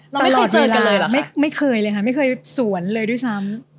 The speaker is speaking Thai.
เราไม่เคยเจอกันเลยไม่เคยเลยค่ะไม่เคยสวนเลยด้วยซ้ำ